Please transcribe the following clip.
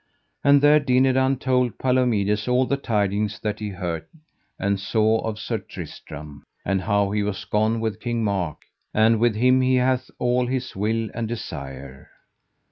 And there Dinadan told Palomides all the tidings that he heard and saw of Sir Tristram, and how he was gone with King Mark, and with him he hath all his will and desire.